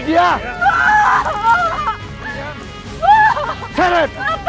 aku tidak bersalah